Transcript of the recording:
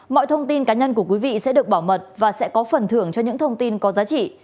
mọi thông tin cá nhân của quý vị sẽ được bảo mật và sẽ có phần thưởng cho những thông tin có giá trị